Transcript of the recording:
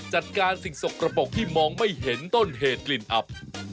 จัดการสิ่งสกระปกที่มองไม่เห็นต้นเหตุกลิ่นอับ